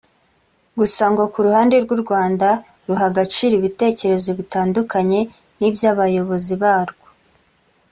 gusa ngo ku ruhande rw’u Rwanda ruha agaciro ibitekerezo bitandukanye n’iby’abayobozi barwo